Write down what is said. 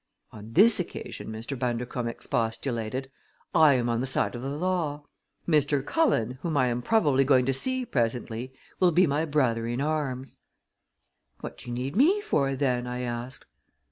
"On this occasion," Mr. Bundercombe expostulated, "I am on the side of the law. Mr. Cullen, whom I am probably going to see presently, will be my brother in arms." "What do you need me for, then?" I asked.